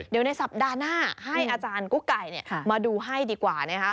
เดี๋ยวในสัปดาห์หน้าให้อาจารย์กุ๊กไก่มาดูให้ดีกว่านะคะ